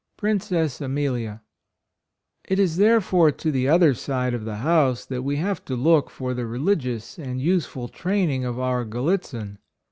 rinceas tm&m. I^W^Wv ^* s therefore to the |§ifjijypb other side of the house Y that we have to look for the religious and useful training of our Gallitzin.